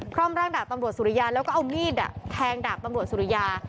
ร่องร่างดาบตำรวจสุริยาแล้วก็เอามีดแทงดาบตำรวจสุริยา